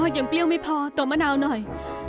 ยังเปรี้ยวไม่พอตัวมะนาวหน่อย